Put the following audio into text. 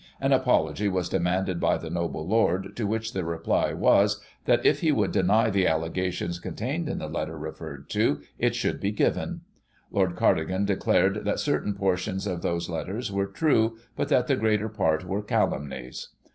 An apology was demanded by the noble lord, to which the reply was, that if he would deny the allegations contained in the letters referred to, it should be given. Lord Cardigan declared that certain portions of those letters were true, but that the greater part were calumnies.